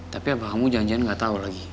tapi abah kamu jangan jangan gak tau lagi